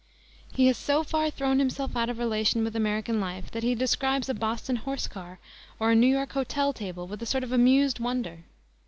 He has so far thrown himself out of relation with American life that he describes a Boston horsecar or a New York hotel table with a sort of amused wonder.